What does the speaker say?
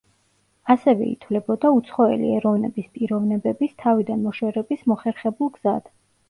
ასევე ითვლებოდა უცხოელი ეროვნების პიროვნებების თავიდან მოშორების მოხერხებულ გზად.